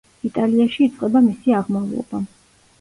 იტალიაში იწყება მისი აღმავლობა.